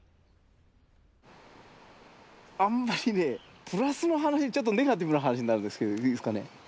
あんまりねプラスの話ちょっとネガティブな話になるんですけどいいですかね？